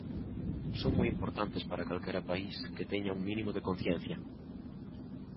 Son moi importantes para calquera país que teña un mínimo de conciencia.